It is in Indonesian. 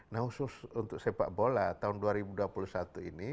nah khusus untuk sepak bola tahun dua ribu dua puluh satu ini